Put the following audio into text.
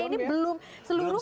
ini belum seluruhnya